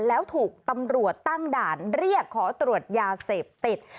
แล้วถูกตำรวจตั้งด่านเรียกขอตรวจยาเสพติด